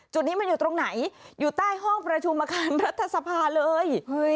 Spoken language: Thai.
จุดนี้มันอยู่ตรงไหนอยู่ใต้ห้องประชุมอาคารรัฐสภาเลย